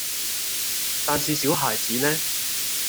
但是小孩子呢？